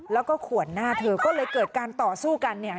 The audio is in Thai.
แล้วก็ขวนหน้าเธอก็เลยเกิดการต่อสู้กันเนี่ย